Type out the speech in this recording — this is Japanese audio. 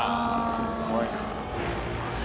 すっごいな。